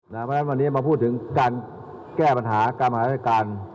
และเพราะฉะนั้นวันนี้มาพูดถึงการแก้ปัญหาการ